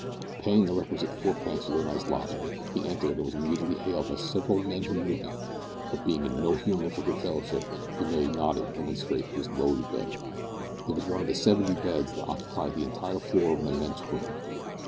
Paying the requisite fourpence for the night's lodging, he entered, and was immediately hailed by several men who knew him, but being in no humour for good fellowship, he merely nodded and went straight up to his lowly bed. It was one of seventy beds that occupied the entire floor of an immense room.